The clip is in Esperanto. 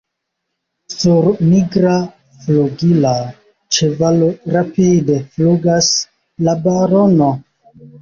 Sur nigra flugila ĉevalo rapide flugas la barono!